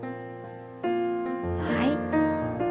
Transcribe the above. はい。